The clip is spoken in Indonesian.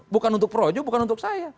bukan untuk projo bukan untuk saya